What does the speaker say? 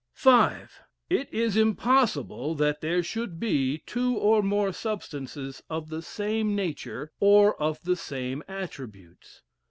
V. It is impossible that there should be two or more substances of the same nature, or of the same attributes.